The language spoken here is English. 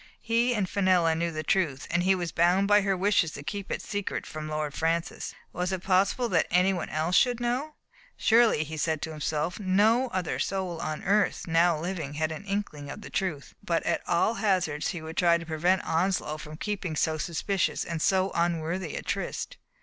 He and Fenella knew the truth, and he was bound by her wishes to keep it secret from Lord Francis ; was it possible that anyone else should know? Surely, he said to himself, no other soul on earth Digitized by Google 27« THE FATE OF FENELLA, now living had an inkling of the truth. But at all hazards he would try to prevent Onslow from keeping so suspicious and so unworthy a tryst.